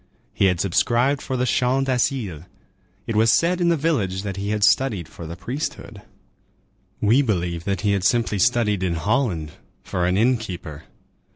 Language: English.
He had subscribed for the Champ d'Asile. It was said in the village that he had studied for the priesthood. We believe that he had simply studied in Holland for an inn keeper.